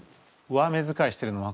上目遣いをしてるな。